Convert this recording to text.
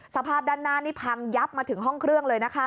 สภาพด้านหน้านี่พังยับมาถึงห้องเครื่องเลยนะคะ